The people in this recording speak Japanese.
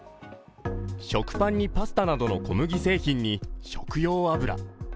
食パンにパスタなどの小麦製品に食用油。